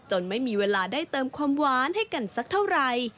ไม่มีเวลาได้เติมความหวานให้กันสักเท่าไหร่